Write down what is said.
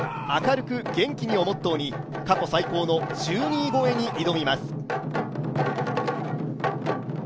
明るく、元気にをモットーに過去最高の１２位越えに挑みます。